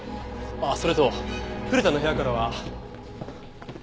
ああそれと古田の部屋からは。